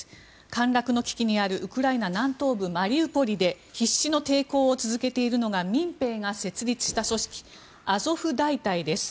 陥落の危機にあるウクライナ南東部マリウポリで必死の抵抗を続けているのが民兵が設立した組織アゾフ大隊です。